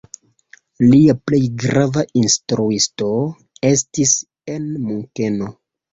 Lia plej grava instruisto estis en Munkeno.